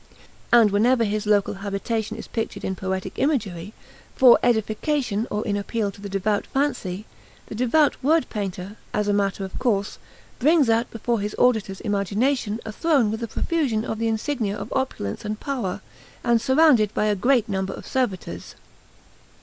And whenever his local habitation is pictured in poetic imagery, for edification or in appeal to the devout fancy, the devout word painter, as a matter of course, brings out before his auditors' imagination a throne with a profusion of the insignia of opulence and power, and surrounded by a great number of servitors.